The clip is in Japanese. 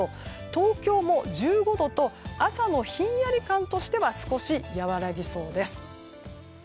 東京も１５度と朝のひんやり感としては少し、和らぎそうです。